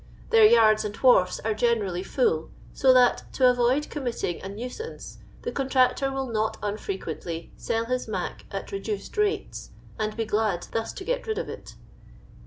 Their yards and wharfs are generally full, so that, to avoid con.mitting a nuisance, the contractor will nnt unfrcquently sell his "mac" at reduced rates, and be glad thus to get rid of it.